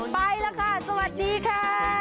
ไปแล้วค่ะสวัสดีค่ะ